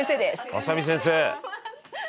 「浅見先生」